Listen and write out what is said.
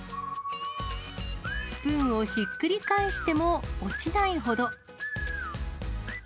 スプーンをひっくり返しても落ちないほど。